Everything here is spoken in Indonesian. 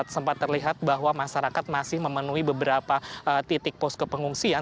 sempat terlihat bahwa masyarakat masih memenuhi beberapa titik posko pengungsian